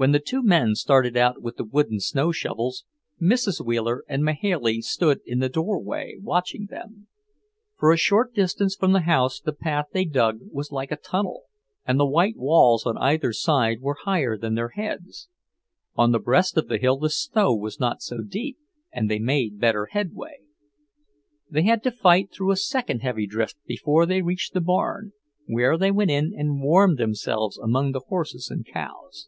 When the two men started out with the wooden snow shovels, Mrs. Wheeler and Mahailey stood in the doorway, watching them. For a short distance from the house the path they dug was like a tunnel, and the white walls on either side were higher than their heads. On the breast of the hill the snow was not so deep, and they made better headway. They had to fight through a second heavy drift before they reached the barn, where they went in and warmed themselves among the horses and cows.